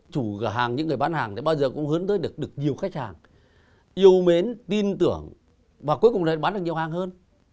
chủ cửa hàng những người bán hàng bao giờ cũng hướng tới được nhiều khách hàng yêu mến tin tưởng và cuối cùng bán được nhiều hàng hơn